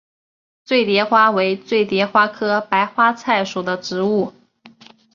醉蝶花为醉蝶花科白花菜属的植物。